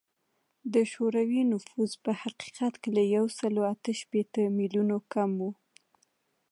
د شوروي نفوس په حقیقت کې له یو سل اته شپیته میلیونه کم و